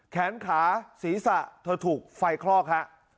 แขนขาศีรษะเธอถูกไฟคลอกฮะ